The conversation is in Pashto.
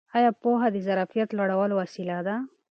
ایا پوهه د ظرفیت لوړولو وسیله ده؟